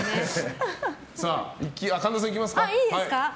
さあ、神田さんいきますか。